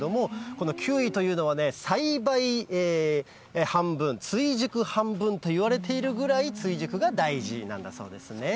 このキウイというのはね、栽培半分、追熟半分といわれているぐらい、追熟が大事なんだそうですね。